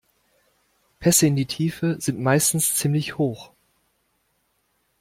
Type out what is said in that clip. Pässe in die Tiefe sind meistens ziemlich hoch.